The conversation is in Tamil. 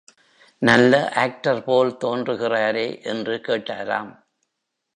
நல்ல ஆக்டர்போல் தோன்றுகிறாரே என்று கேட்டாராம்.